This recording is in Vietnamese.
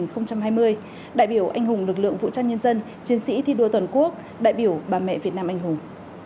đại biểu anh hùng lực lượng vũ trang nhân dân chiến sĩ thi đua toàn quốc đại biểu bà mẹ việt nam anh hùng